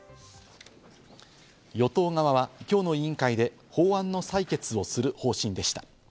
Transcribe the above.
与党側は今日の委員会で法案の採決をする方針でした。